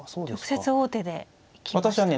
直接王手でいきましたね。